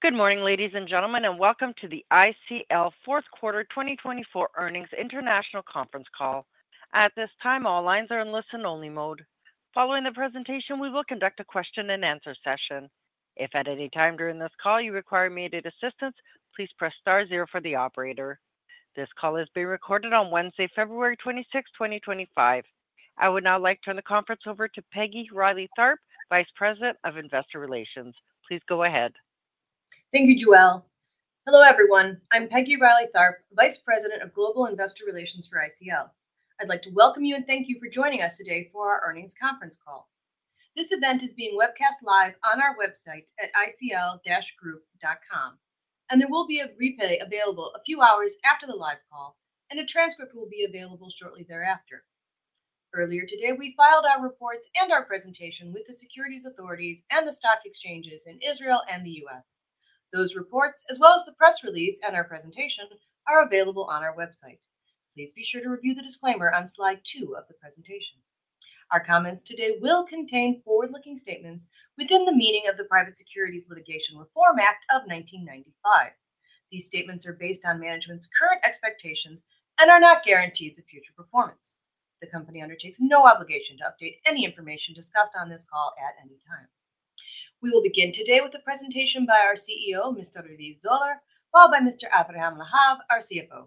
Good morning, ladies and gentlemen, and welcome to the ICL Fourth Quarter 2024 Earnings International Conference Call. At this time, all lines are in listen-only mode. Following the presentation, we will conduct a question-and-answer session. If at any time during this call you require immediate assistance, please press star zero for the operator. This call is being recorded on Wednesday, February 26, 2025. I would now like to turn the conference over to Peggy Reilly Tharp, Vice President of Investor Relations. Please go ahead. Thank you, Joelle. Hello, everyone. I'm Peggy Reilly Tharp, Vice President of Global Investor Relations for ICL. I'd like to welcome you and thank you for joining us today for our earnings conference call. This event is being webcast live on our website at iclgroup.com, and there will be a replay available a few hours after the live call, and a transcript will be available shortly thereafter. Earlier today, we filed our reports and our presentation with the securities authorities and the stock exchanges in Israel and the U.S. Those reports, as well as the press release and our presentation, are available on our website. Please be sure to review the disclaimer on slide two of the presentation. Our comments today will contain forward-looking statements within the meaning of the Private Securities Litigation Reform Act of 1995. These statements are based on management's current expectations and are not guarantees of future performance. The company undertakes no obligation to update any information discussed on this call at any time. We will begin today with a presentation by our CEO, Mr. Raviv Zoller, followed by Mr. Aviram Lahav, our CFO.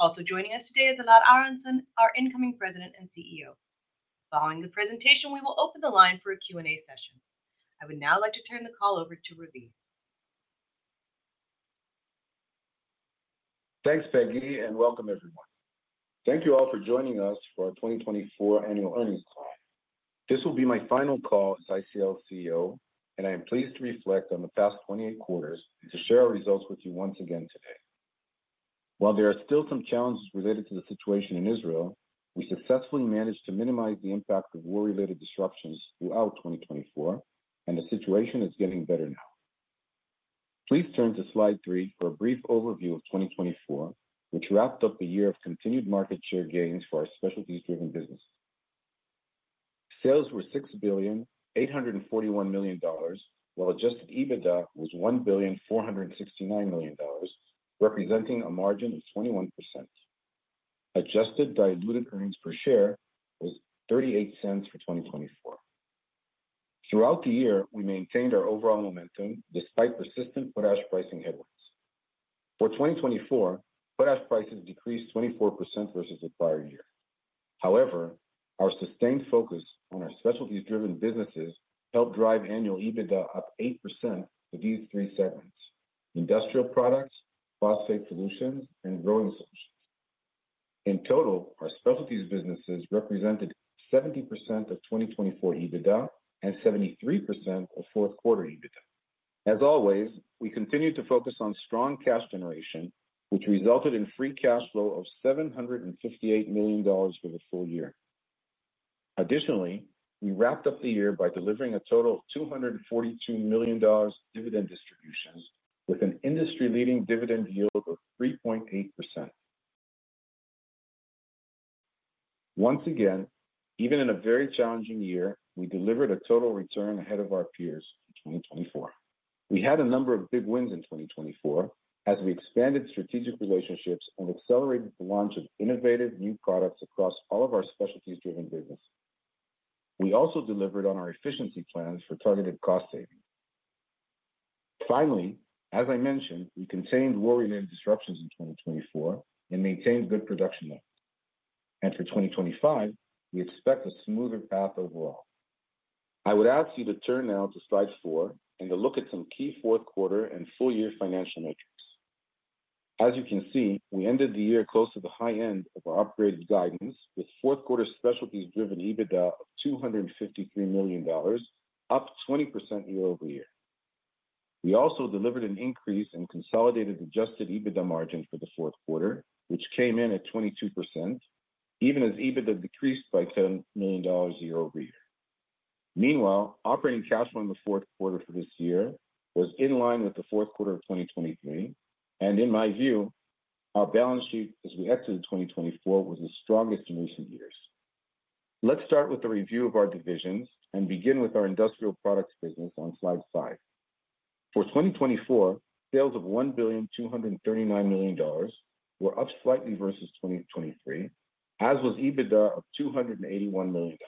Also joining us today is Elad Aharonson, our incoming president and CEO. Following the presentation, we will open the line for a Q&A session. I would now like to turn the call over to Raviv. Thanks, Peggy, and welcome, everyone. Thank you all for joining us for our 2024 Annual Earnings Call. This will be my final call as ICL CEO, and I am pleased to reflect on the past 28 quarters and to share our results with you once again today. While there are still some challenges related to the situation in Israel, we successfully managed to minimize the impact of war-related disruptions throughout 2024, and the situation is getting better now. Please turn to slide three for a brief overview of 2024, which wrapped up the year of continued market share gains for our specialties-driven businesses. Sales were $6,841 million, while Adjusted EBITDA was $1,469 million, representing a margin of 21%. Adjusted diluted earnings per share was $0.38 for 2024. Throughout the year, we maintained our overall momentum despite persistent potash pricing headwinds. For 2024, potash prices decreased 24% versus the prior year. However, our sustained focus on our specialties-driven businesses helped drive annual EBITDA up 8% for these three segments: Industrial Products, Phosphate Solutions, and Growing Solutions. In total, our specialties businesses represented 70% of 2024 EBITDA and 73% of fourth-quarter EBITDA. As always, we continued to focus on strong cash generation, which resulted in free cash flow of $758 million for the full year. Additionally, we wrapped up the year by delivering a total of $242 million dividend distributions with an industry-leading dividend yield of 3.8%. Once again, even in a very challenging year, we delivered a total return ahead of our peers in 2024. We had a number of big wins in 2024 as we expanded strategic relationships and accelerated the launch of innovative new products across all of our specialties-driven businesses. We also delivered on our efficiency plans for targeted cost savings. Finally, as I mentioned, we contained war-related disruptions in 2024 and maintained good production levels, and for 2025, we expect a smoother path overall. I would ask you to turn now to slide four and to look at some key fourth-quarter and full-year financial metrics. As you can see, we ended the year close to the high end of our upgraded guidance with fourth-quarter specialties-driven EBITDA of $253 million, up 20% year-over-year. We also delivered an increase in consolidated Adjusted EBITDA margin for the fourth quarter, which came in at 22%, even as EBITDA decreased by $10 million year-over-year. Meanwhile, operating cash flow in the fourth quarter for this year was in line with the fourth quarter of 2023, and in my view, our balance sheet as we exited 2024 was the strongest in recent years. Let's start with a review of our divisions and begin with our Industrial Products business on slide five. For 2024, sales of $1,239 million were up slightly versus 2023, as was EBITDA of $281 million.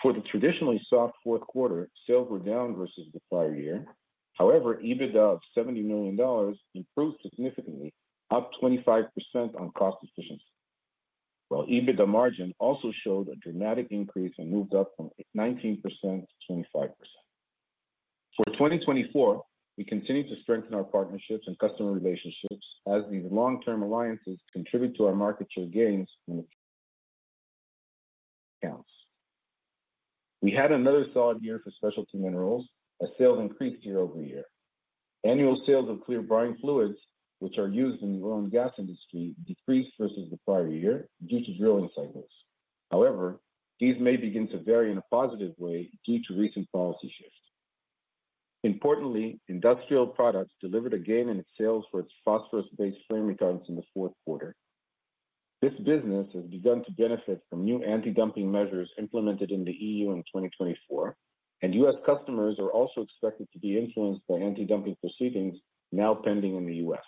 For the traditionally soft fourth quarter, sales were down versus the prior year. However, EBITDA of $70 million improved significantly, up 25% on cost efficiency, while EBITDA margin also showed a dramatic increase and moved up from 19% to 25%. For 2024, we continue to strengthen our partnerships and customer relationships as these long-term alliances contribute to our market share gains and accounts. We had another solid year for Specialty Minerals, as sales increased year-over-year. Annual sales of clear brine fluids, which are used in the oil and gas industry, decreased versus the prior year due to drilling cycles. However, these may begin to vary in a positive way due to recent policy shifts. Importantly, Industrial Products delivered a gain in its sales for its phosphorus-based flame retardants in the fourth quarter. This business has begun to benefit from new anti-dumping measures implemented in the E.U. in 2024, and U.S. customers are also expected to be influenced by anti-dumping proceedings now pending in the U.S.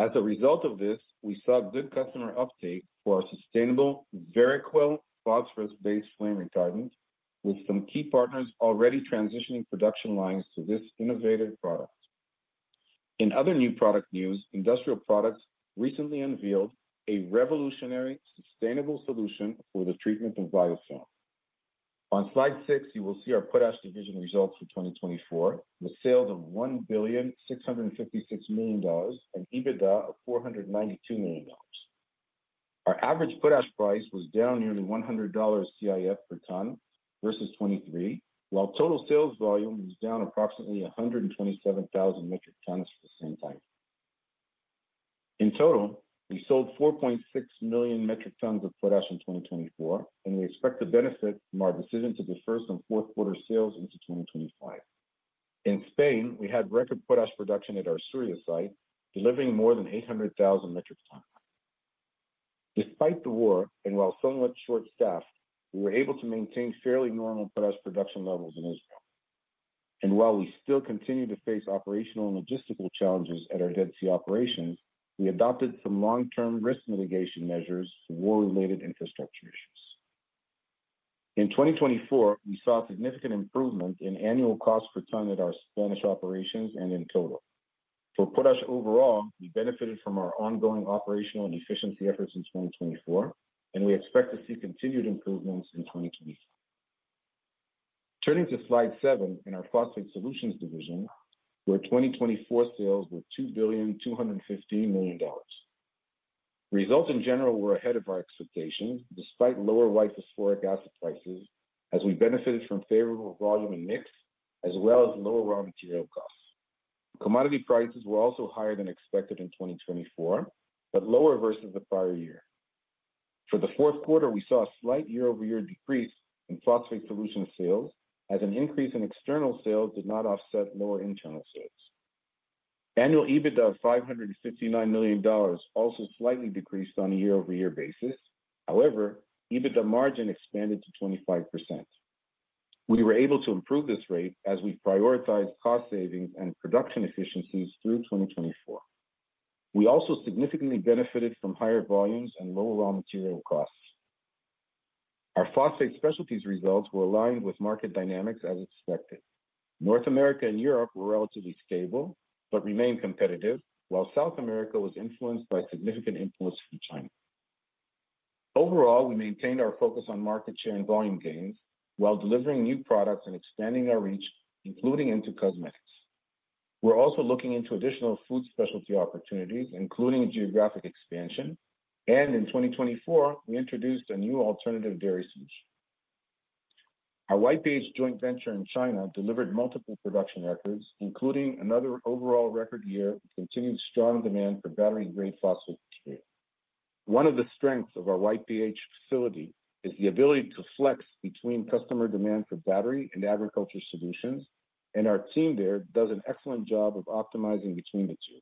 As a result of this, we saw good customer uptake for our sustainable VeriQuel phosphorus-based flame retardant, with some key partners already transitioning production lines to this innovative product. In other new product news, Industrial Products recently unveiled a revolutionary sustainable solution for the treatment of biofilm. On slide six, you will see our Potash division results for 2024, with sales of $1,656 million and EBITDA of $492 million. Our average potash price was down nearly $100 CIF per ton versus 2023, while total sales volume was down approximately 127,000 metric tons for the same time. In total, we sold 4.6 million metric tons of potash in 2024, and we expect to benefit from our decision to defer some fourth quarter sales into 2025. In Spain, we had record potash production at our Suria site, delivering more than 800,000 metric tons. Despite the war and while somewhat short-staffed, we were able to maintain fairly normal potash production levels in Israel. While we still continue to face operational and logistical challenges at our Dead Sea operations, we adopted some long-term risk mitigation measures for war-related infrastructure issues. In 2024, we saw a significant improvement in annual cost per ton at our Spanish operations and in total. For Potash overall, we benefited from our ongoing operational and efficiency efforts in 2024, and we expect to see continued improvements in 2024. Turning to slide seven in our Phosphate Solutions division, where 2024 sales were $2.215 billion. Results in general were ahead of our expectations despite lower white phosphoric acid prices, as we benefited from favorable volume and mix, as well as lower raw material costs. Commodity prices were also higher than expected in 2024, but lower versus the prior year. For the fourth quarter, we saw a slight year-over-year decrease in Phosphate Solutions sales, as an increase in external sales did not offset lower internal sales. Annual EBITDA of $559 million also slightly decreased on a year-over-year basis. However, EBITDA margin expanded to 25%. We were able to improve this rate as we prioritized cost savings and production efficiencies through 2024. We also significantly benefited from higher volumes and lower raw material costs. Our phosphate Specialties results were aligned with market dynamics as expected. North America and Europe were relatively stable but remained competitive, while South America was influenced by significant influence from China. Overall, we maintained our focus on market share and volume gains while delivering new products and expanding our reach, including into cosmetics. We're also looking into additional food specialty opportunities, including geographic expansion. In 2024, we introduced a new alternative dairy solution. Our YPH joint venture in China delivered multiple production records, including another overall record year with continued strong demand for battery-grade phosphate material. One of the strengths of our YPH facility is the ability to flex between customer demand for battery and agriculture solutions, and our team there does an excellent job of optimizing between the two.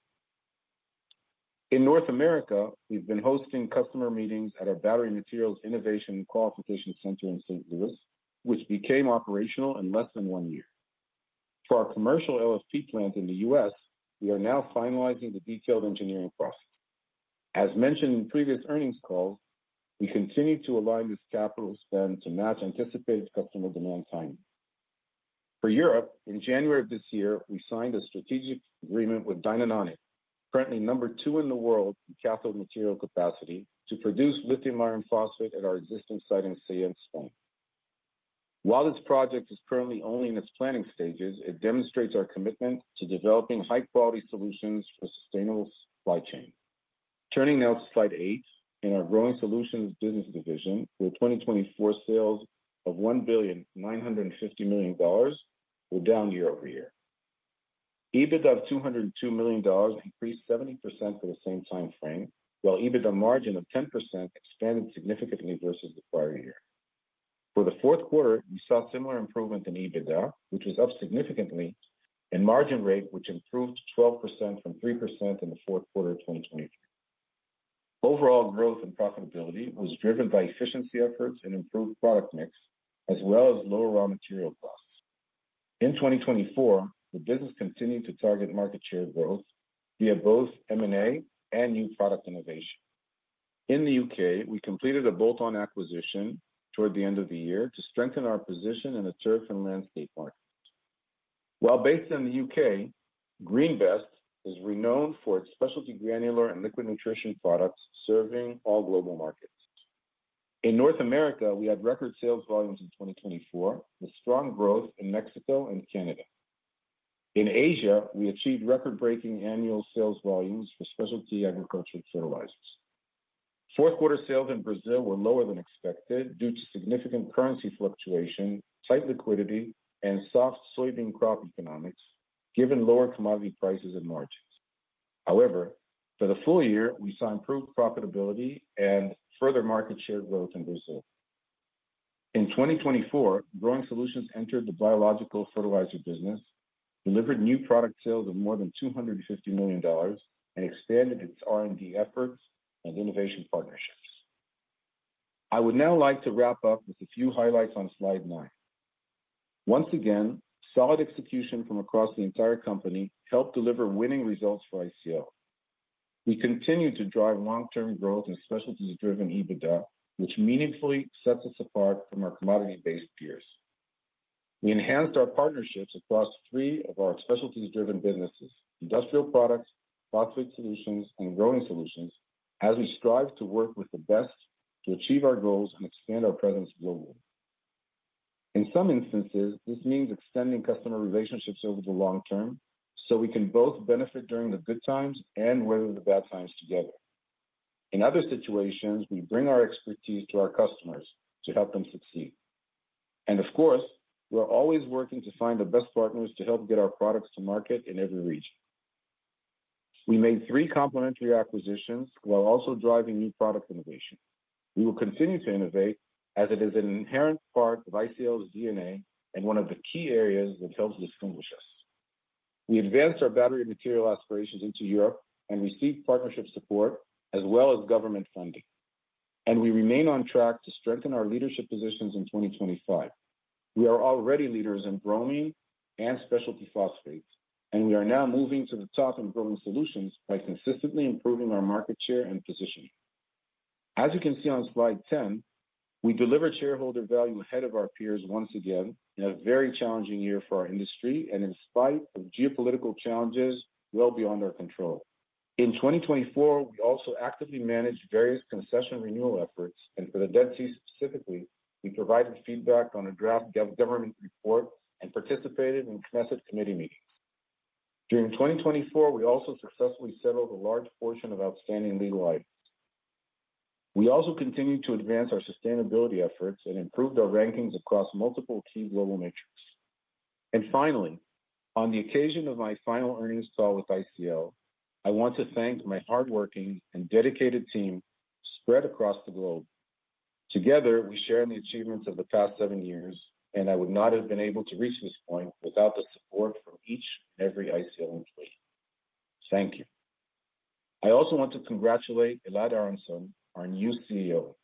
In North America, we've been hosting customer meetings at our Battery Materials Innovation Qualification Center in St. Louis, which became operational in less than one year. For our commercial LFP plant in the U.S., we are now finalizing the detailed engineering process. As mentioned in previous earnings calls, we continue to align this capital spend to match anticipated customer demand timing. For Europe, in January of this year, we signed a strategic agreement with Dynanonic, currently number 2 in the world in cathode material capacity, to produce lithium iron phosphate at our existing site in Spain. While this project is currently only in its planning stages, it demonstrates our commitment to developing high-quality solutions for a sustainable supply chain. Turning now to slide eight in our Growing Solutions business division, where 2024 sales of $1,950 million were down year-over-year. EBITDA of $202 million increased 70% for the same time frame, while EBITDA margin of 10% expanded significantly versus the prior year. For the fourth quarter, we saw similar improvement in EBITDA, which was up significantly, and margin rate, which improved 12% from 3% in the fourth quarter of 2023. Overall growth and profitability was driven by efficiency efforts and improved product mix, as well as lower raw material costs. In 2024, the business continued to target market share growth via both M&A and new product innovation. In the U.K., we completed a bolt-on acquisition toward the end of the year to strengthen our position in the turf and landscape market. While based in the U.K., GreenBest is renowned for its specialty granular and liquid nutrition products serving all global markets. In North America, we had record sales volumes in 2024 with strong growth in Mexico and Canada. In Asia, we achieved record-breaking annual sales volumes for specialty agriculture fertilizers. Fourth-quarter sales in Brazil were lower than expected due to significant currency fluctuation, tight liquidity, and soft soybean crop economics, given lower commodity prices and margins. However, for the full year, we saw improved profitability and further market share growth in Brazil. In 2024, Growing Solutions entered the biological fertilizer business, delivered new product sales of more than $250 million, and expanded its R&D efforts and innovation partnerships. I would now like to wrap up with a few highlights on slide nine. Once again, solid execution from across the entire company helped deliver winning results for ICL. We continue to drive long-term growth in specialties-driven EBITDA, which meaningfully sets us apart from our commodity-based peers. We enhanced our partnerships across three of our specialties-driven businesses: Industrial Products, Phosphate Solutions, and growing solutions, as we strive to work with the best to achieve our goals and expand our presence globally. In some instances, this means extending customer relationships over the long term so we can both benefit during the good times and weather the bad times together. In other situations, we bring our expertise to our customers to help them succeed. And of course, we're always working to find the best partners to help get our products to market in every region. We made three complementary acquisitions while also driving new product innovation. We will continue to innovate, as it is an inherent part of ICL's DNA and one of the key areas that helps distinguish us. We advanced our battery material aspirations into Europe and received partnership support as well as government funding. We remain on track to strengthen our leadership positions in 2025. We are already leaders in bromine and specialty phosphates, and we are now moving to the top in Growing Solutions by consistently improving our market share and position. As you can see on slide 10, we delivered shareholder value ahead of our peers once again in a very challenging year for our industry and in spite of geopolitical challenges well beyond our control. In 2024, we also actively managed various concession renewal efforts, and for the Dead Sea specifically, we provided feedback on a draft government report and participated in Knesset committee meetings. During 2024, we also successfully settled a large portion of outstanding legal items. We also continued to advance our sustainability efforts and improved our rankings across multiple key global metrics. And finally, on the occasion of my final earnings call with ICL, I want to thank my hardworking and dedicated team spread across the globe. Together, we share in the achievements of the past seven years, and I would not have been able to reach this point without the support from each and every ICL employee. Thank you. I also want to congratulate Elad Aharonson, our new CEO.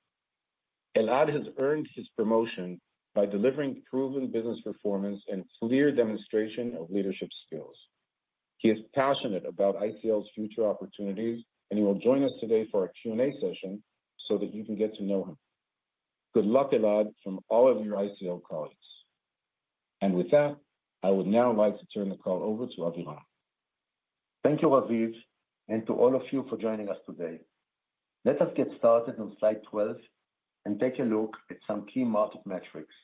Elad has earned his promotion by delivering proven business performance and clear demonstration of leadership skills. He is passionate about ICL's future opportunities, and he will join us today for our Q&A session so that you can get to know him. Good luck, Elad, from all of your ICL colleagues. And with that, I would now like to turn the call over to Aviram. Thank you, Raviv, and to all of you for joining us today. Let us get started on slide 12 and take a look at some key market metrics.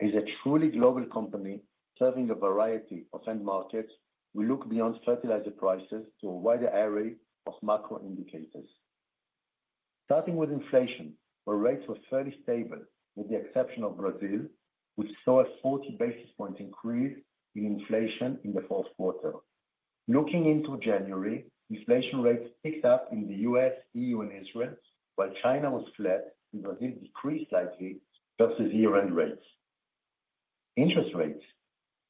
As a truly global company serving a variety of end markets, we look beyond fertilizer prices to a wider area of macro indicators. Starting with inflation, where rates were fairly stable with the exception of Brazil, which saw a 40 basis point increase in inflation in the fourth quarter. Looking into January, inflation rates picked up in the U.S., E.U., and Israel, while China was flat, and Brazil decreased slightly versus year-end rates. Interest rates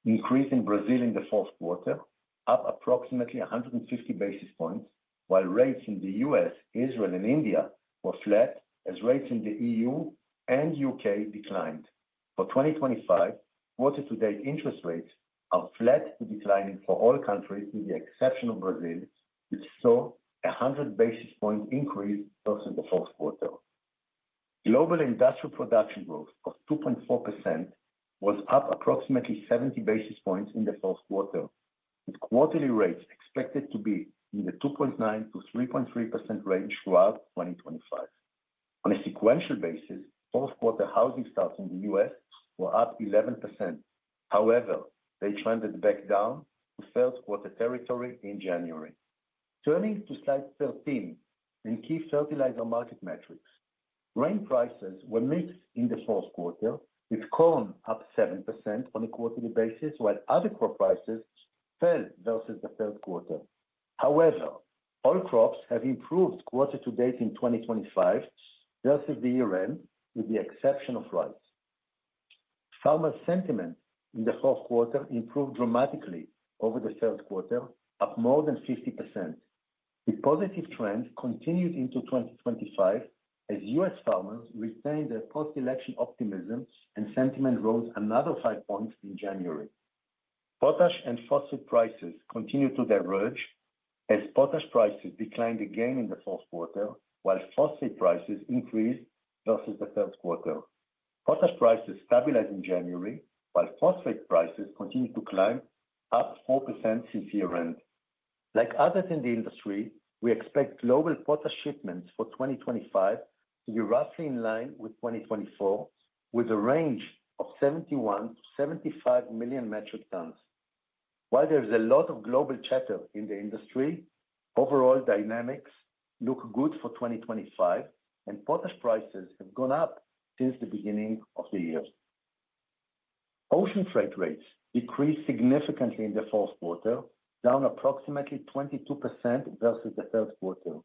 increased in Brazil in the fourth quarter, up approximately 150 basis points, while rates in the U.S., Israel, and India were flat as rates in the E.U. and U.K. declined. For 2025, quarter-to-date interest rates are flat to declining for all countries with the exception of Brazil, which saw a 100 basis point increase versus the fourth quarter. Global industrial production growth of 2.4% was up approximately 70 basis points in the fourth quarter, with quarterly rates expected to be in the 2.9% to 3.3% range throughout 2025. On a sequential basis, fourth-quarter housing stocks in the U.S. were up 11%. However, they trended back down to third-quarter territory in January. Turning to slide 13, in key fertilizer market metrics, grain prices were mixed in the fourth quarter, with corn up 7% on a quarterly basis, while other crop prices fell versus the third quarter. However, all crops have improved quarter-to-date in 2025 versus the year-end, with the exception of rice. Farmer sentiment in the fourth quarter improved dramatically over the third quarter, up more than 50%. The positive trend continued into 2025 as U.S. farmers retained their post-election optimism, and sentiment rose another five points in January. Potash and phosphate prices continued to diverge as potash prices declined again in the fourth quarter, while phosphate prices increased versus the third quarter. Potash prices stabilized in January, while phosphate prices continued to climb up 4% since year-end. Like others in the industry, we expect global potash shipments for 2025 to be roughly in line with 2024, with a range of 71 to 75 million metric tons. While there is a lot of global chatter in the industry, overall dynamics look good for 2025, and potash prices have gone up since the beginning of the year. Ocean freight rates decreased significantly in the fourth quarter, down approximately 22% versus the third quarter.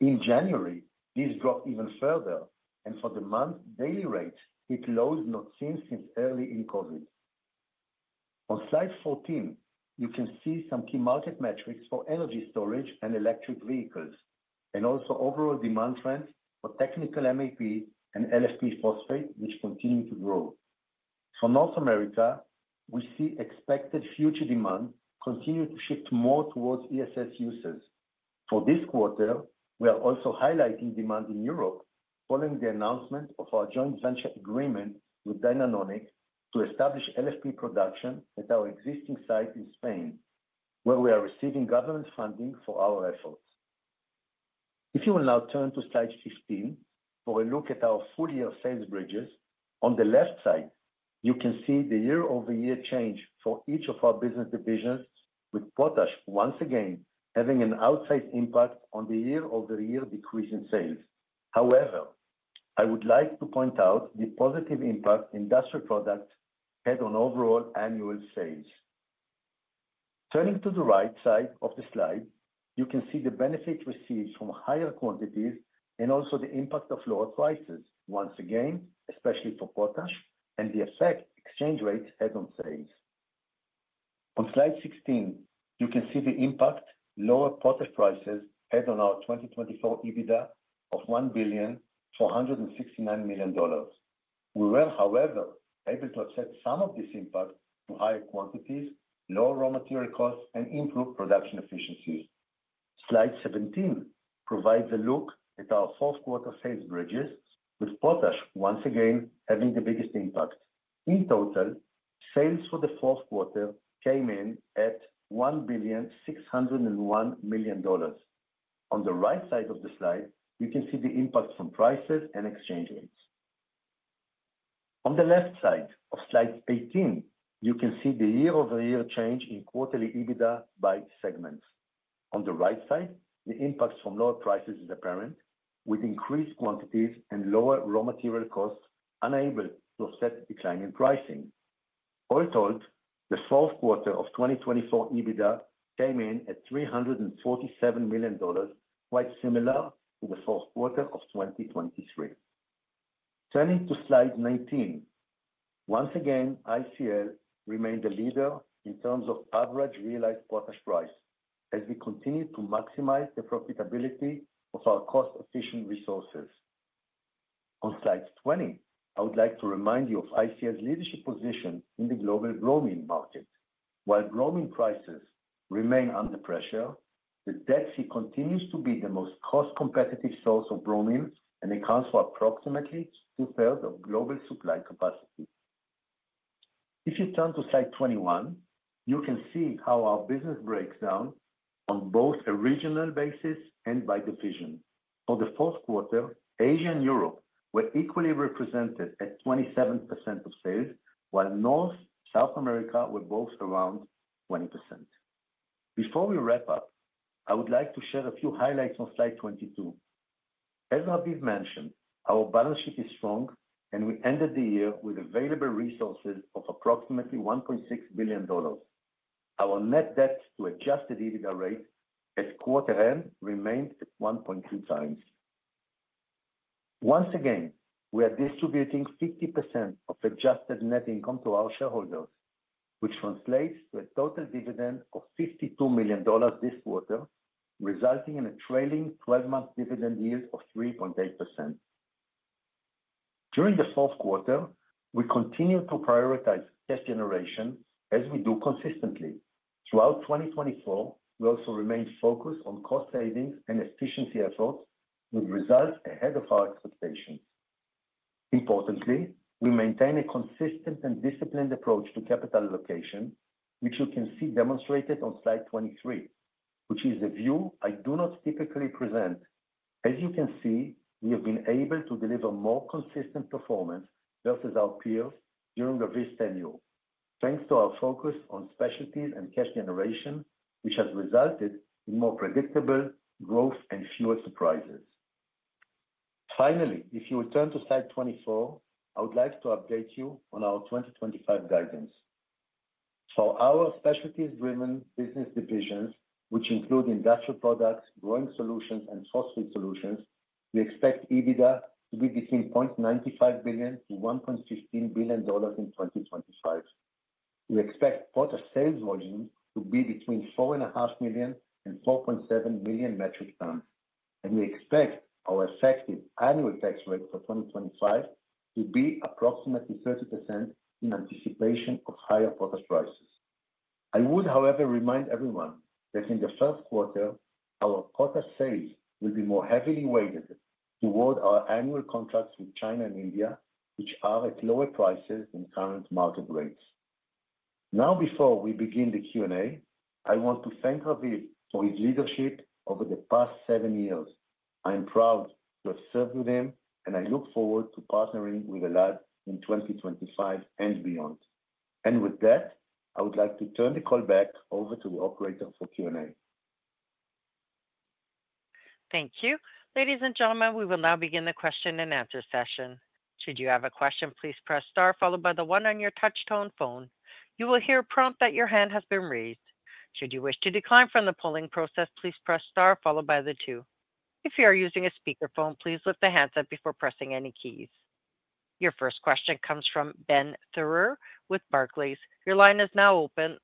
In January, these dropped even further, and for the month, daily rates hit lows not seen since early in COVID. On slide 14, you can see some key market metrics for energy storage and electric vehicles, and also overall demand trends for technical MAP and LFP phosphate, which continue to grow. For North America, we see expected future demand continue to shift more towards ESS users. For this quarter, we are also highlighting demand in Europe following the announcement of our joint venture agreement with Dynanonic to establish LFP production at our existing site in Spain, where we are receiving government funding for our efforts. If you will now turn to slide 15 for a look at our full-year sales bridges, on the left side, you can see the year-over-year change for each of our business divisions, with potash once again having an outsized impact on the year-over-year decrease in sales. However, I would like to point out the positive impact Industrial Products had on overall annual sales. Turning to the right side of the slide, you can see the benefit received from higher quantities and also the impact of lower prices once again, especially for potash, and the effect exchange rates had on sales. On slide 16, you can see the impact lower potash prices had on our 2024 EBITDA of $1,469 million. We were, however, able to offset some of this impact through higher quantities, lower raw material costs, and improved production efficiencies. Slide 17 provides a look at our fourth-quarter sales bridges, with potash once again having the biggest impact. In total, sales for the fourth quarter came in at $1,601 million. On the right side of the slide, you can see the impact from prices and exchange rates. On the left side of slide 18, you can see the year-over-year change in quarterly EBITDA by segments. On the right side, the impact from lower prices is apparent, with increased quantities and lower raw material costs unable to offset declining pricing. All told, the fourth quarter of 2024 EBITDA came in at $347 million, quite similar to the fourth quarter of 2023. Turning to slide 19, once again, ICL remained the leader in terms of average realized potash price as we continued to maximize the profitability of our cost-efficient resources. On slide 20, I would like to remind you of ICL's leadership position in the global bromine market. While bromine prices remain under pressure, the Dead Sea continues to be the most cost-competitive source of bromine and accounts for approximately two-thirds of global supply capacity. If you turn to slide 21, you can see how our business breaks down on both a regional basis and by division. For the fourth quarter, Asia and Europe were equally represented at 27% of sales, while North and South America were both around 20%. Before we wrap up, I would like to share a few highlights on slide 22. As Raviv mentioned, our balance sheet is strong, and we ended the year with available resources of approximately $1.6 billion. Our net debt to Adjusted EBITDA rate at quarter-end remained at 1.2 times. Once again, we are distributing 50% of Adjusted net income to our shareholders, which translates to a total dividend of $52 million this quarter, resulting in a trailing 12-month dividend yield of 3.8%. During the fourth quarter, we continue to prioritize cash generation, as we do consistently. Throughout 2024, we also remained focused on cost savings and efficiency efforts, with results ahead of our expectations. Importantly, we maintain a consistent and disciplined approach to capital allocation, which you can see demonstrated on slide 23, which is a view I do not typically present. As you can see, we have been able to deliver more consistent performance versus our peers during Raviv's tenure, thanks to our focus on specialties and cash generation, which has resulted in more predictable growth and fewer surprises. Finally, if you will turn to slide 24, I would like to update you on our 2025 guidance. For our specialties-driven business divisions, which include Industrial Products, Growing Solutions, and Phosphate Solutions, we expect EBITDA to be between $0.95 billion-$1.15 billion in 2025. We expect potash sales volume to be between 4.5 million and 4.7 million metric tons, and we expect our effective annual tax rate for 2025 to be approximately 30% in anticipation of higher potash prices. I would, however, remind everyone that in the first quarter, our potash sales will be more heavily weighted toward our annual contracts with China and India, which are at lower prices than current market rates. Now, before we begin the Q&A, I want to thank Raviv for his leadership over the past seven years. I am proud to have served with him, and I look forward to partnering with Elad in 2025 and beyond. And with that, I would like to turn the call back over to the operator for Q&A. Thank you. Ladies and gentlemen, we will now begin the question and answer session. Should you have a question, please press star, followed by the one on your touch-tone phone. You will hear a prompt that your hand has been raised. Should you wish to decline from the polling process, please press star, followed by the two. If you are using a speakerphone, please lift the hands up before pressing any keys. Your first question comes from Ben Theurer with Barclays. Your line is now open.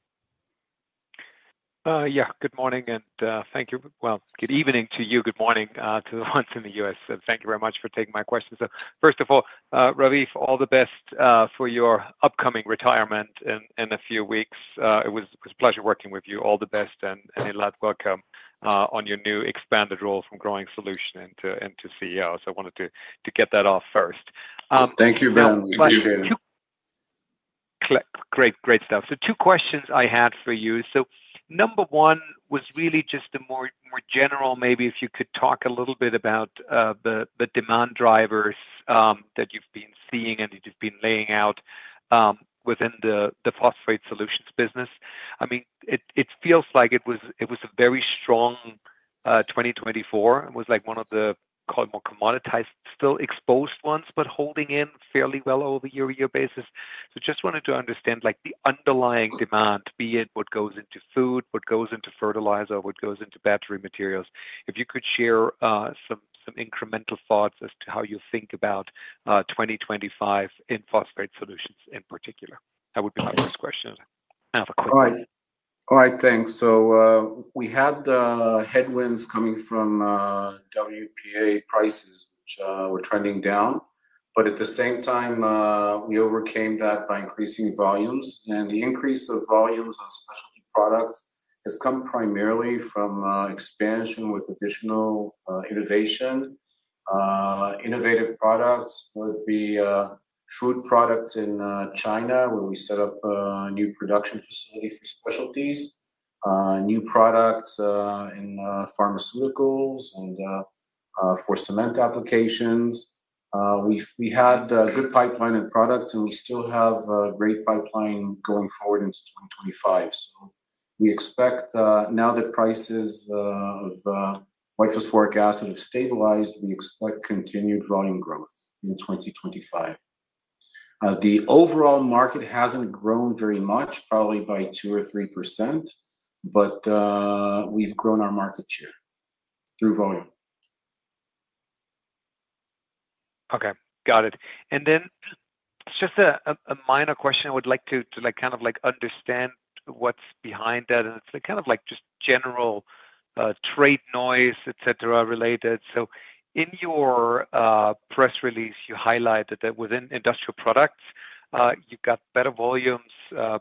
Yeah, good morning and thank you. Well, good evening to you. Good morning to the ones in the U.S. Thank you very much for taking my question. So first of all, Raviv, all the best for your upcoming retirement in a few weeks. It was a pleasure working with you. All the best and Elad, welcome on your new expanded role from Growing Solutions into CEO. So I wanted to get that off first. Thank you, Ben. Appreciate it. Great, great stuff. So two questions I had for you. So number one was really just a more general, maybe if you could talk a little bit about the demand drivers that you've been seeing and that you've been laying out within the Phosphate Solutions business. I mean, it feels like it was a very strong 2024. It was like one of the more commoditized, still exposed ones, but holding in fairly well over a year-to-year basis. So just wanted to understand the underlying demand, be it what goes into food, what goes into fertilizer, what goes into battery materials. If you could share some incremental thoughts as to how you think about 2025 in Phosphate Solutions in particular. That would be my first question. All right. All right, thanks. So we had headwinds coming from WPA prices, which were trending down. But at the same time, we overcame that by increasing volumes. And the increase of volumes on specialty products has come primarily from expansion with additional innovation. Innovative products would be food products in China where we set up a new production facility for specialties, new products in pharmaceuticals, and for cement applications. We had a good pipeline in products, and we still have a great pipeline going forward into 2025. So we expect now that prices of white phosphoric acid have stabilized, we expect continued volume growth in 2025. The overall market hasn't grown very much, probably by 2% or 3%, but we've grown our market share through volume. Okay, got it. And then just a minor question I would like to kind of understand what's behind that. And it's kind of just general trade noise, etc., related. So in your press release, you highlighted that within Industrial Products, you've got better volumes,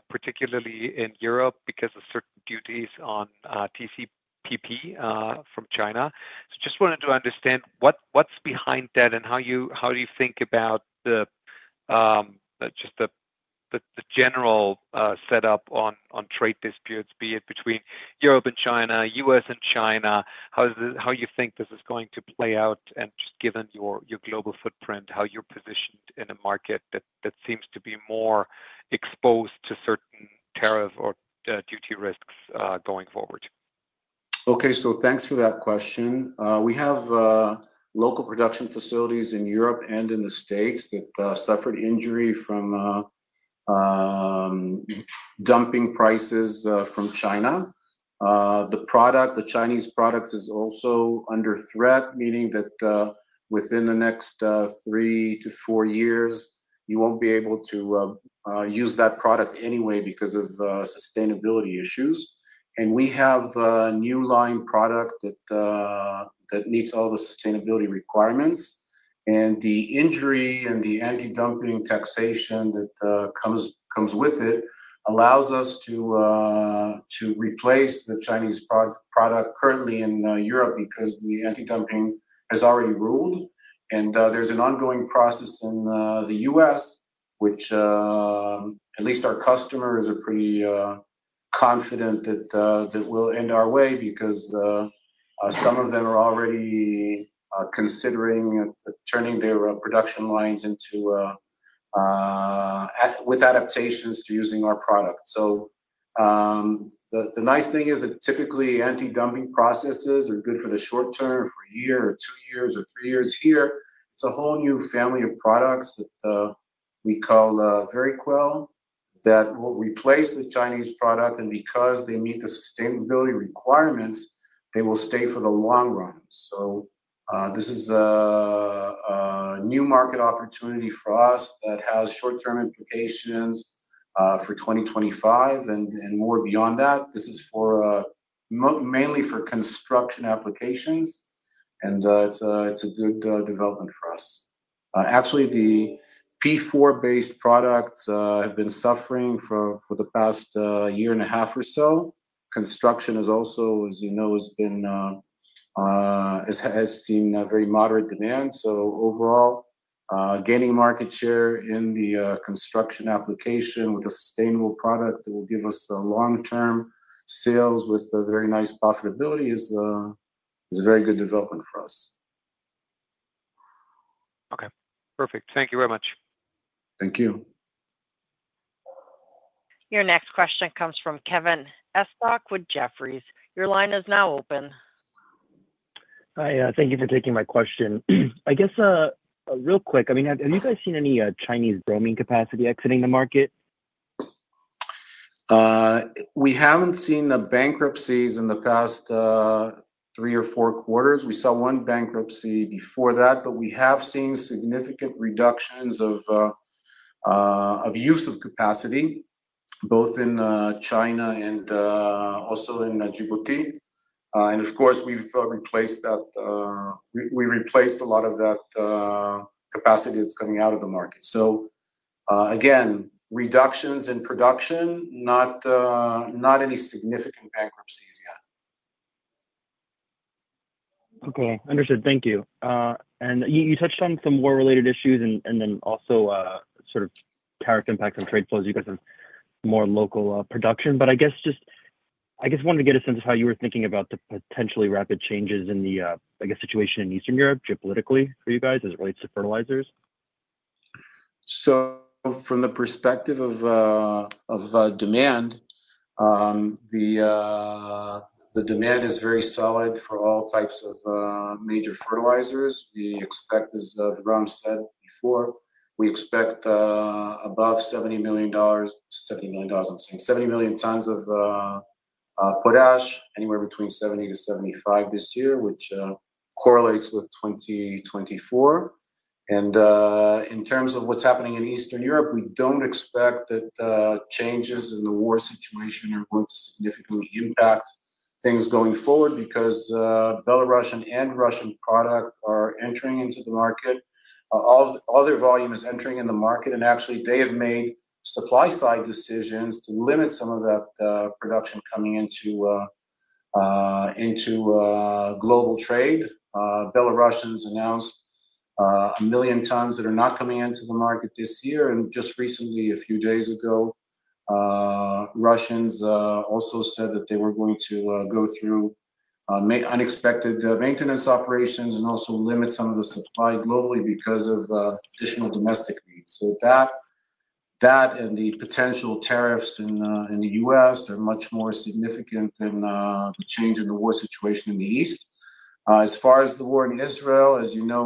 particularly in Europe because of certain duties on TCPP from China. So just wanted to understand what's behind that and how do you think about just the general setup on trade disputes, be it between Europe and China, U.S. and China, how you think this is going to play out, and just given your global footprint, how you're positioned in a market that seems to be more exposed to certain tariff or duty risks going forward? Okay, so thanks for that question. We have local production facilities in Europe and in the States that suffered injury from dumping prices from China. The Chinese product is also under threat, meaning that within the next three-to-four years, you won't be able to use that product anyway because of sustainability issues. And we have a new line product that meets all the sustainability requirements. And the injury and the anti-dumping taxation that comes with it allows us to replace the Chinese product currently in Europe because the anti-dumping has already ruled. And there's an ongoing process in the U.S., which at least our customers are pretty confident that will end our way because some of them are already considering turning their production lines with adaptations to using our product. So the nice thing is that typically anti-dumping processes are good for the short term, for a year, or two years, or three years. Here, it's a whole new family of products that we call VeriQuel that will replace the Chinese product. And because they meet the sustainability requirements, they will stay for the long run. So this is a new market opportunity for us that has short-term implications for 2025 and more beyond that. This is mainly for construction applications, and it's a good development for us. Actually, the P4-based products have been suffering for the past year and a half or so. Construction is also, as you know, has seen very moderate demand. So overall, gaining market share in the construction application with a sustainable product that will give us long-term sales with very nice profitability is a very good development for us. Okay, perfect. Thank you very much. Thank you. Your next question comes from Kevin Estok with Jefferies. Your line is now open. Hi, thank you for taking my question. I guess real quick, I mean, have you guys seen any Chinese bromine capacity exiting the market? We haven't seen bankruptcies in the past three or four quarters. We saw one bankruptcy before that, but we have seen significant reductions of use of capacity, both in China and also in Djibouti. And of course, we've replaced that. We replaced a lot of that capacity that's coming out of the market. So again, reductions in production, not any significant bankruptcies yet. Okay, understood. Thank you. And you touched on some war-related issues and then also sort of tariff impacts on trade flows because of more local production. But I guess just, I guess, wanted to get a sense of how you were thinking about the potentially rapid changes in the, I guess, situation in Eastern Europe, geopolitically, for you guys as it relates to fertilizers. So from the perspective of demand, the demand is very solid for all types of major fertilizers. The expectation is, as Raviv said before, we expect above 70 million tons, 70 million tons, I'm saying, 70 million tons of potash, anywhere between 70 to 75 this year, which correlates with 2024. In terms of what's happening in Eastern Europe, we don't expect that changes in the war situation are going to significantly impact things going forward because Belarusian and Russian product are entering into the market. All their volume is entering in the market. Actually, they have made supply-side decisions to limit some of that production coming into global trade. Belarusians announced a million tons that are not coming into the market this year. Just recently, a few days ago, Russians also said that they were going to go through unexpected maintenance operations and also limit some of the supply globally because of additional domestic needs. So that and the potential tariffs in the U.S. are much more significant than the change in the war situation in the East. As far as the war in Israel, as you know,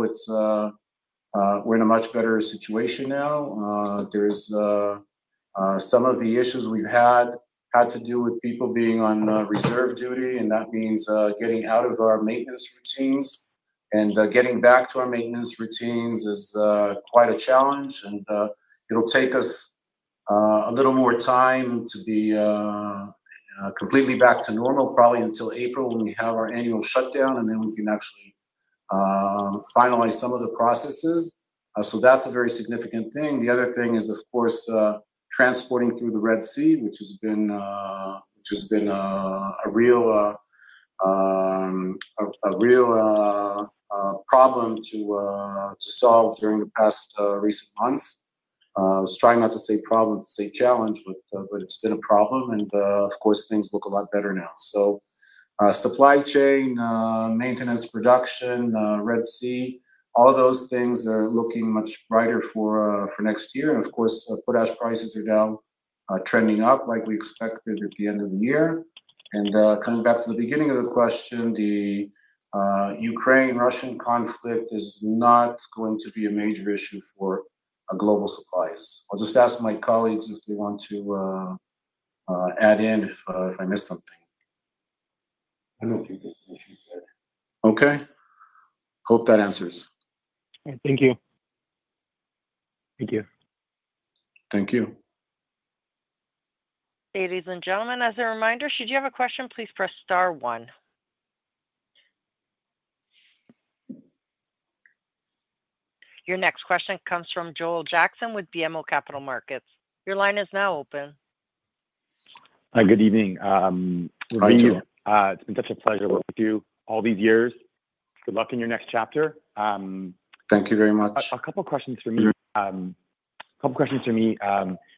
we're in a much better situation now. There's some of the issues we've had to do with people being on reserve duty. And that means getting out of our maintenance routines and getting back to our maintenance routines is quite a challenge. And it'll take us a little more time to be completely back to normal, probably until April when we have our annual shutdown, and then we can actually finalize some of the processes. So that's a very significant thing. The other thing is, of course, transporting through the Red Sea, which has been a real problem to solve during the past recent months. I was trying not to say problem, to say challenge, but it's been a problem. And of course, things look a lot better now. So supply chain, maintenance, production, Red Sea, all those things are looking much brighter for next year. And of course, potash prices are now trending up like we expected at the end of the year. And coming back to the beginning of the question, the Ukraine-Russian conflict is not going to be a major issue for global supplies. I'll just ask my colleagues if they want to add in if I missed something. I don't think there's anything to add. Okay. Hope that answers. Thank you. Thank you. Thank you. Ladies and gentlemen, as a reminder, should you have a question, please press star one. Your next question comes from Joel Jackson with BMO Capital Markets. Your line is now open. Hi, good evening. How are you? It's been such a pleasure working with you all these years. Good luck in your next chapter. Thank you very much. A couple of questions for me.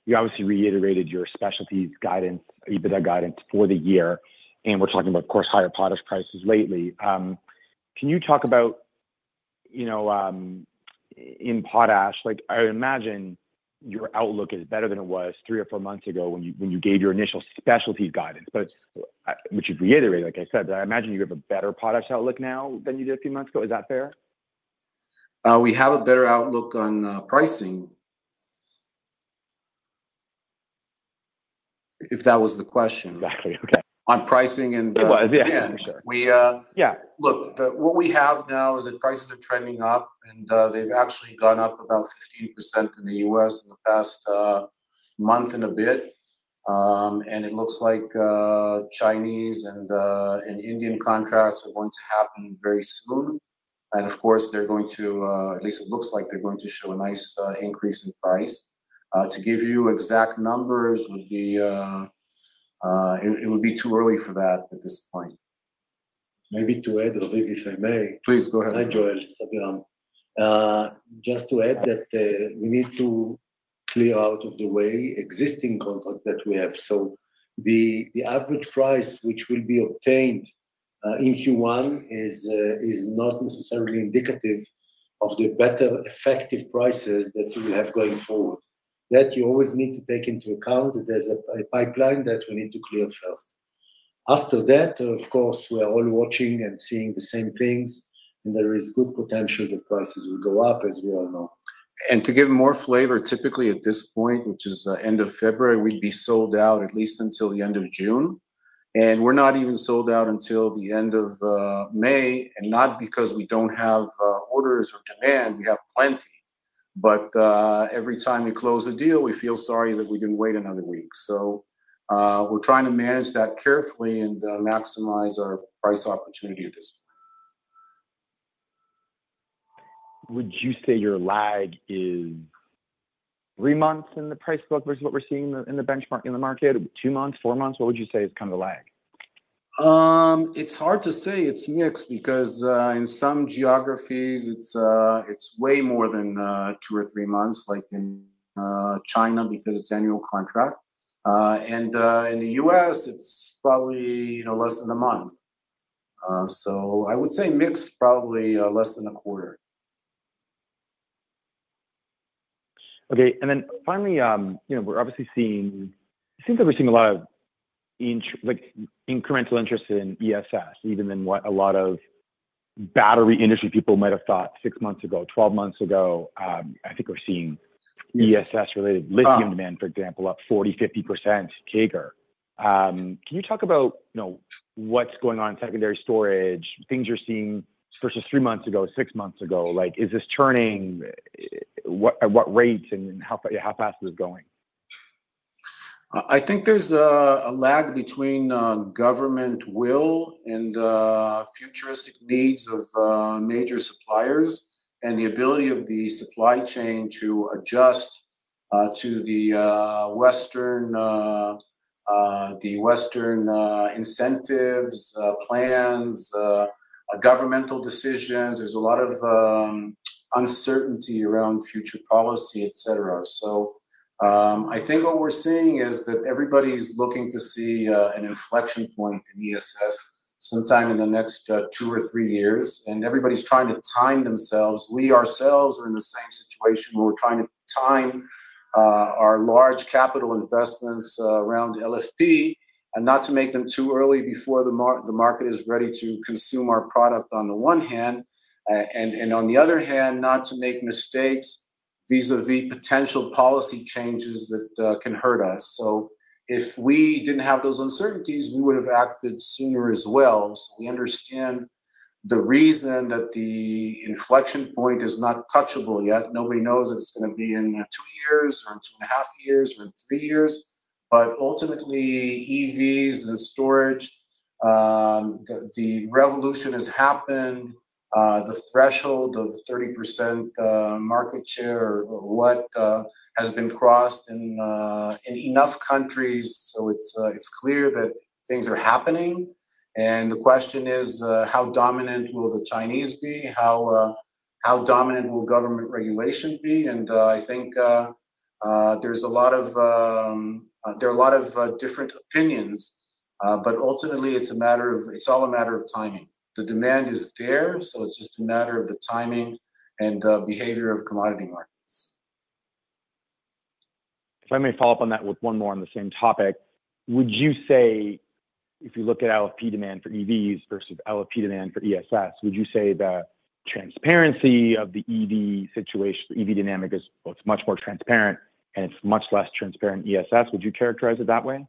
You obviously reiterated your specialties guidance, EBITDA guidance for the year. And we're talking about, of course, higher potash prices lately. Can you talk about in potash, I imagine your outlook is better than it was three or four months ago when you gave your initial specialties guidance, which you've reiterated, like I said, but I imagine you have a better potash outlook now than you did a few months ago. Is that fair? We have a better outlook on pricing, if that was the question. Exactly. Okay. On pricing and yeah, for sure. Yeah. Look, what we have now is that prices are trending up, and they've actually gone up about 15% in the U.S. in the past month and a bit. It looks like Chinese and Indian contracts are going to happen very soon. Of course, they're going to, at least it looks like they're going to show a nice increase in price. To give you exact numbers, it would be too early for that at this point. Maybe to add, or maybe if I may. Please, go ahead. Hi, Joel. It's Aviram. Just to add that we need to clear out of the way existing contracts that we have. So the average price which will be obtained in Q1 is not necessarily indicative of the better effective prices that we will have going forward. That you always need to take into account that there's a pipeline that we need to clear first. After that, of course, we are all watching and seeing the same things, and there is good potential that prices will go up, as we all know. And to give more flavor, typically at this point, which is the end of February, we'd be sold out at least until the end of June. And we're not even sold out until the end of May, and not because we don't have orders or demand. We have plenty. But every time we close a deal, we feel sorry that we didn't wait another week. So we're trying to manage that carefully and maximize our price opportunity at this point. Would you say your lag is three months in the price book versus what we're seeing in the benchmark in the market, two months, four months? What would you say is kind of the lag? It's hard to say. It's mixed because in some geographies, it's way more than two or three months, like in China because it's annual contract. And in the U.S., it's probably less than a month. So I would say mixed, probably less than a quarter. Okay. And then finally, we're obviously seeing it seems like we're seeing a lot of incremental interest in ESS, even in what a lot of battery industry people might have thought six months ago, 12 months ago. I think we're seeing ESS-related lithium demand, for example, up 40%-50% CAGR. Can you talk about what's going on in secondary storage, things you're seeing versus three months ago, six months ago? Is this turning at what rate, and how fast is it going? I think there's a lag between government will and futuristic needs of major suppliers and the ability of the supply chain to adjust to the Western incentives, plans, governmental decisions. There's a lot of uncertainty around future policy, etc., so I think what we're seeing is that everybody's looking to see an inflection point in ESS sometime in the next two or three years, and everybody's trying to time themselves. We ourselves are in the same situation where we're trying to time our large capital investments around LFP and not to make them too early before the market is ready to consume our product on the one hand, and on the other hand, not to make mistakes vis-à-vis potential policy changes that can hurt us, so if we didn't have those uncertainties, we would have acted sooner as well. So we understand the reason that the inflection point is not touchable yet. Nobody knows if it's going to be in two years or in two and a half years or in three years. But ultimately, EVs and storage, the revolution has happened. The threshold of 30% market share or what has been crossed in enough countries. So it's clear that things are happening. And the question is, how dominant will the Chinese be? How dominant will government regulation be? And I think there are a lot of different opinions, but ultimately, it's all a matter of timing. The demand is there, so it's just a matter of the timing and the behavior of commodity markets. If I may follow up on that with one more on the same topic, would you say, if you look at LFP demand for EVs versus LFP demand for ESS, would you say the transparency of the EV situation, the EV dynamic is much more transparent, and it's much less transparent ESS? Would you characterize it that way?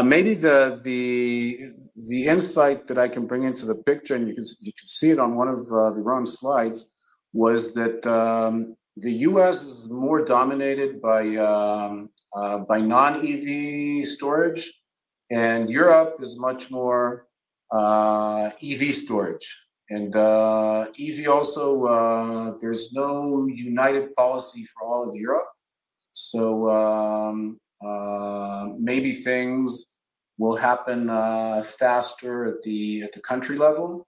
Maybe the insight that I can bring into the picture, and you can see it on one of the wrong slides, was that the U.S. is more dominated by non-EV storage, and Europe is much more EV storage. And EV also, there's no united policy for all of Europe. So maybe things will happen faster at the country level.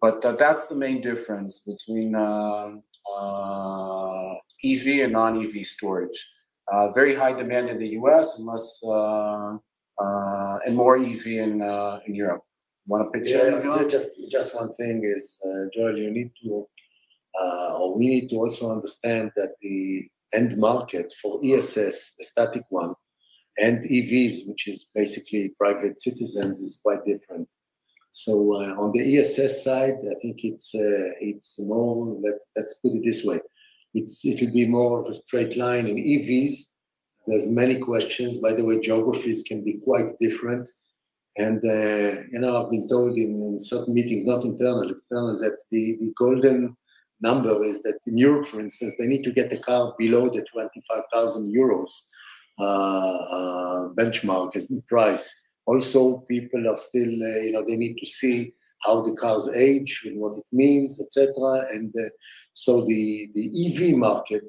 But that's the main difference between EV and non-EV storage. Very high demand in the U.S. and more EV in Europe. Want to pitch that? Just one thing is, Joel, you need to or we need to also understand that the end market for ESS, the static one, and EVs, which is basically private citizens, is quite different. So on the ESS side, I think it's more. Let's put it this way. It should be more of a straight line. In EVs, there's many questions. By the way, geographies can be quite different. And I've been told in certain meetings, not internal, external, that the golden number is that in Europe, for instance, they need to get the car below the 25,000 euros benchmark as the price. Also, people are still they need to see how the cars age and what it means, etc. And so the EV market,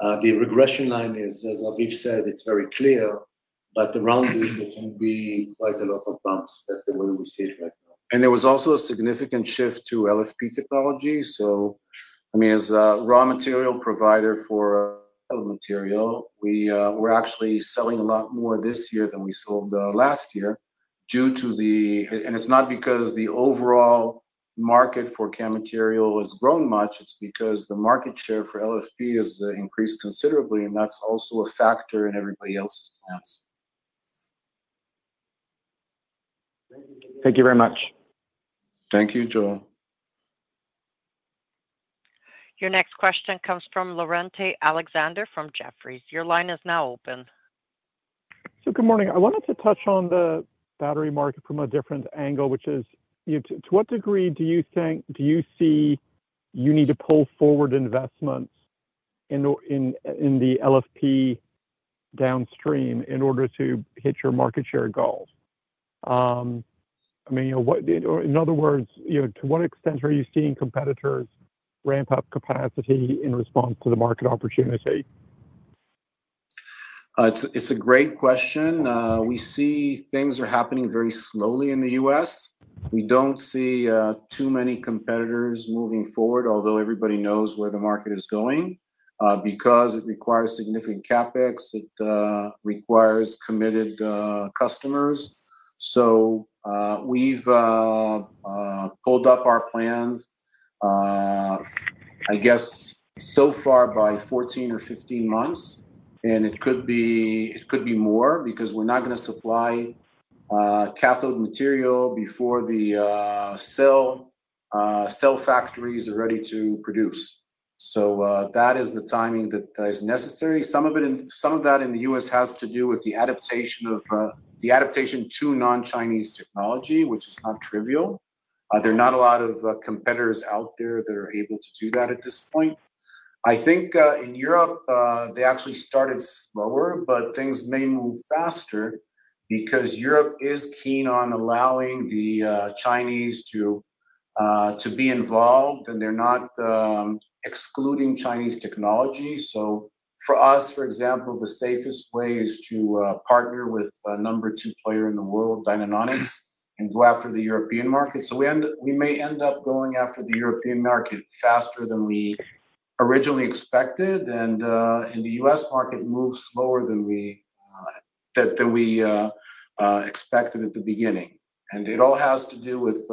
the regression line is, as Aviram said, it's very clear, but around it, there can be quite a lot of bumps. That's the way we see it right now. There was also a significant shift to LFP technology. So I mean, as a raw material provider for battery material, we're actually selling a lot more this year than we sold last year due to the and it's not because the overall market for chemicals has grown much. It's because the market share for LFP has increased considerably, and that's also a factor in everybody else's plans. Thank you very much. Thank you, Joel. Your next question comes from Laurence Alexander from Jefferies. Your line is now open. Good morning. I wanted to touch on the battery market from a different angle, which is to what degree do you think do you see you need to pull forward investments in the LFP downstream in order to hit your market share goal? I mean, in other words, to what extent are you seeing competitors ramp up capacity in response to the market opportunity? It's a great question. We see things are happening very slowly in the U.S. We don't see too many competitors moving forward, although everybody knows where the market is going because it requires significant CapEx. It requires committed customers. So we've pulled up our plans, I guess, so far by 14 or 15 months, and it could be more because we're not going to supply cathode material before the cell factories are ready to produce. So that is the timing that is necessary. Some of that in the U.S. has to do with the adaptation to non-Chinese technology, which is not trivial. There are not a lot of competitors out there that are able to do that at this point. I think in Europe, they actually started slower, but things may move faster because Europe is keen on allowing the Chinese to be involved, and they're not excluding Chinese technology. So for us, for example, the safest way is to partner with a number two player in the world, Dynanonic, and go after the European market. So we may end up going after the European market faster than we originally expected, and in the U.S. market, move slower than we expected at the beginning. And it all has to do with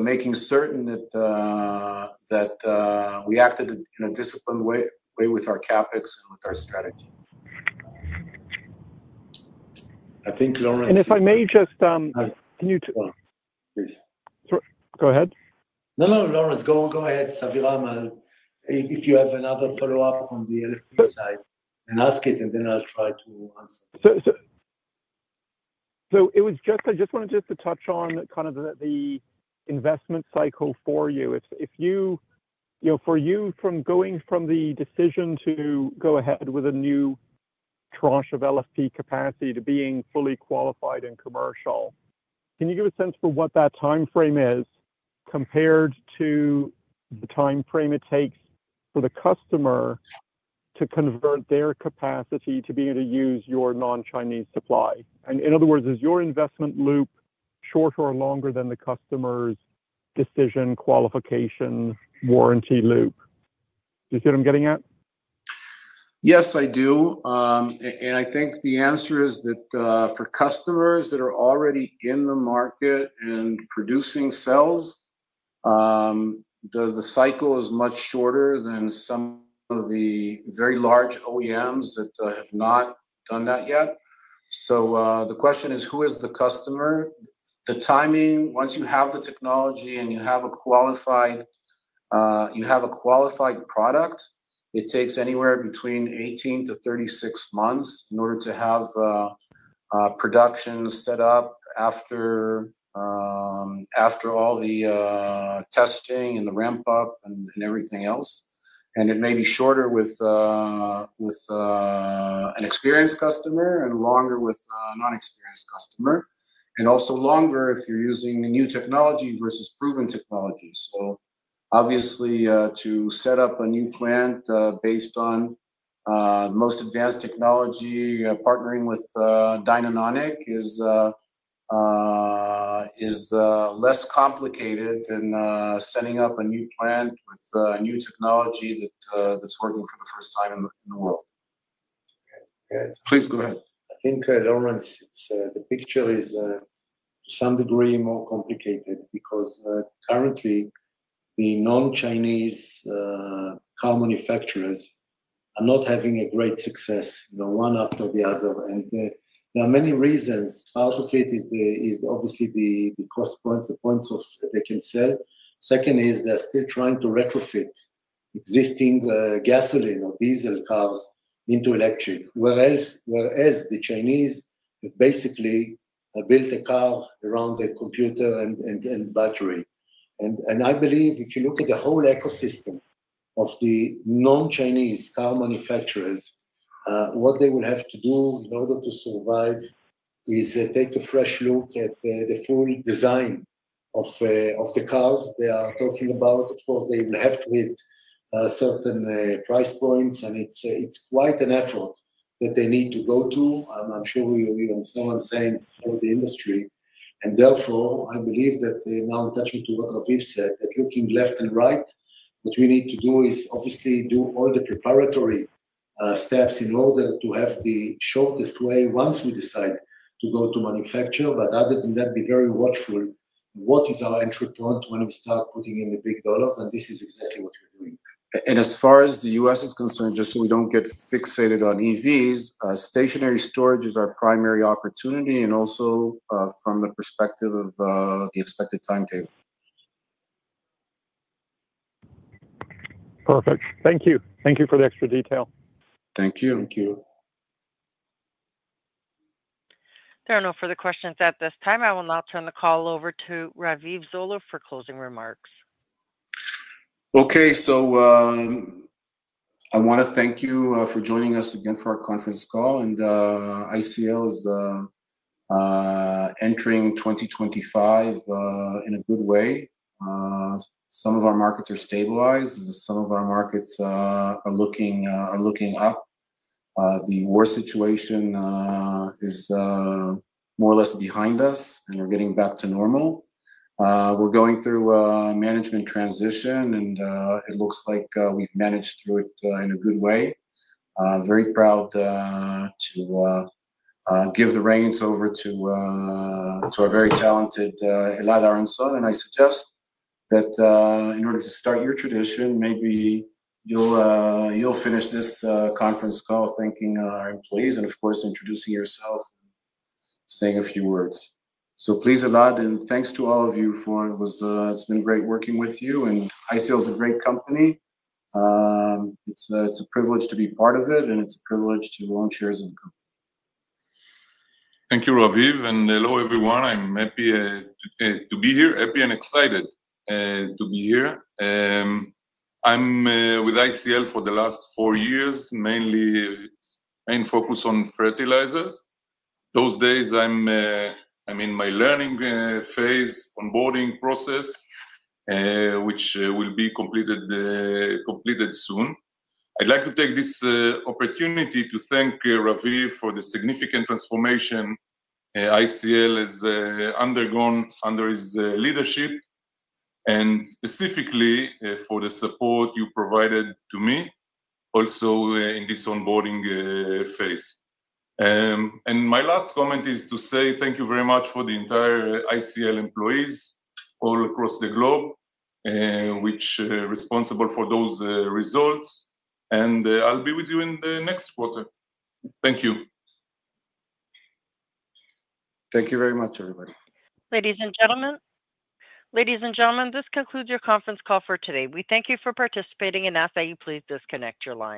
making certain that we acted in a disciplined way with our CapEx and with our strategy. I think, Laurence. And if I may just... can you please. Go ahead. No, no, Laurence, go ahead, Aviram, if you have another follow-up on the LFP side, and ask it, and then I'll try to answer. So I just wanted to touch on kind of the investment cycle for you. For you, from going from the decision to go ahead with a new tranche of LFP capacity to being fully qualified and commercial, can you give a sense for what that timeframe is compared to the timeframe it takes for the customer to convert their capacity to be able to use your non-Chinese supply? And in other words, is your investment loop shorter or longer than the customer's decision, qualification, warranty loop? Do you see what I'm getting at? Yes, I do. And I think the answer is that for customers that are already in the market and producing cells, the cycle is much shorter than some of the very large OEMs that have not done that yet. So the question is, who is the customer? The timing, once you have the technology and you have a qualified product, it takes anywhere between 18-36 months in order to have production set up after all the testing and the ramp-up and everything else, and it may be shorter with an experienced customer and longer with a non-experienced customer, and also longer if you're using new technology versus proven technology, so obviously, to set up a new plant based on the most advanced technology, partnering with Dynanonic is less complicated than setting up a new plant with new technology that's working for the first time in the world. Please go ahead. I think, Laurence, the picture is to some degree more complicated because currently, the non-Chinese car manufacturers are not having a great success, one after the other, and there are many reasons. Part of it is obviously the cost points, the points that they can sell. Second is they're still trying to retrofit existing gasoline or diesel cars into electric, whereas the Chinese have basically built a car around a computer and battery. And I believe if you look at the whole ecosystem of the non-Chinese car manufacturers, what they will have to do in order to survive is take a fresh look at the full design of the cars they are talking about. Of course, they will have to hit certain price points, and it's quite an effort that they need to go to. I'm sure you understand what I'm saying. For the industry. And therefore, I believe that now in turning to what Aviram said, that looking left and right, what we need to do is obviously do all the preparatory steps in order to have the shortest way once we decide to go to manufacture. But other than that, be very watchful of what is our entry point when we start putting in the big dollars, and this is exactly what we're doing. And as far as the U.S. is concerned, just so we don't get fixated on EVs, stationary storage is our primary opportunity and also from the perspective of the expected timetable. Perfect. Thank you. Thank you for the extra detail. Thank you. Thank you. There are no further questions at this time. I will now turn the call over to Raviv Zoller for closing remarks. Okay. So I want to thank you for joining us again for our conference call. And ICL is entering 2025 in a good way. Some of our markets are stabilized. Some of our markets are looking up. The war situation is more or less behind us, and we're getting back to normal. We're going through a management transition, and it looks like we've managed through it in a good way. Very proud to give the reins over to our very talented Elad Aharonson. And I suggest that in order to start your tradition, maybe you'll finish this conference call thanking our employees and, of course, introducing yourself and saying a few words. So please, Elad, and thanks to all of you for it's been great working with you. And ICL is a great company. It's a privilege to be part of it, and it's a privilege to own shares in the company. Thank you, Raviv. And hello, everyone. I'm happy to be here, happy and excited to be here. I'm with ICL for the last four years, mainly focused on fertilizers. These days, I'm in my learning phase, onboarding process, which will be completed soon. I'd like to take this opportunity to thank Raviv for the significant transformation ICL has undergone under his leadership and specifically for the support you provided to me also in this onboarding phase. And my last comment is to say thank you very much for the entire ICL employees all across the globe, which are responsible for those results. And I'll be with you in the next quarter. Thank you. Thank you very much, everybody. Ladies and gentlemen. Ladies and gentlemen, this concludes your conference call for today. We thank you for participating and ask that you please disconnect your line.